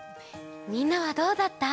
みんなはどうだった？